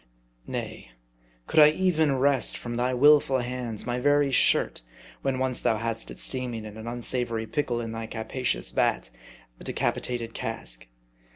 Nay : could I even wrest from thy willful hands my very shirt, when once thou hadst it steaming in an unsavory pickle in thy capacious vat, a decapitated cask